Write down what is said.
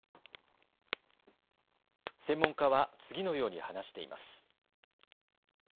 専門家は次のように話しています。